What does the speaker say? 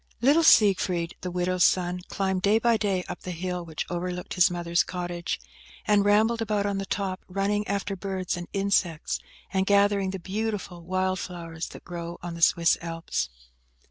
LITTLE Siegfried, the widow's son, climbed day by day up the hill which overlooked his mother's cottage, and rambled about on the top, running after birds and insects, and gathering the beautiful wild flowers that grow on the Swiss Alps.